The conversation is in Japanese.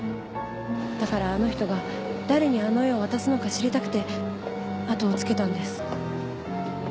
だからあの人が誰にあの絵を渡すのか知りたくて後をつけたんです。